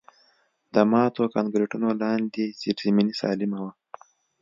د ماتو کانکریټونو لاندې زیرزمیني سالمه وه